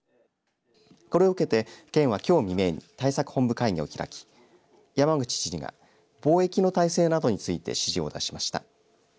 これを受けて県はきょう未明に対策本部会議を開き山口知事が防疫の態勢などについて指示を出しました。